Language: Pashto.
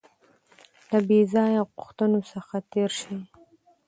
د بې ځایه غوښتنو څخه تېر شئ.